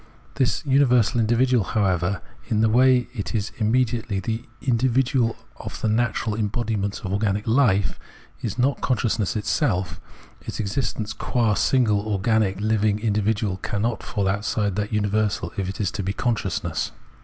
This universal individual, however, in the way it is immedi ately the individual of the natural embodiments of organic hfe, is not consciousness itself ; its existence qua single organic living individual cannot fall outside that universal if it is to be consciousness.